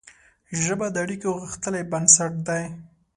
ژبه د اړیکو غښتلی بنسټ دی